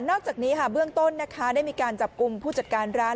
อกจากนี้เบื้องต้นนะคะได้มีการจับกลุ่มผู้จัดการร้าน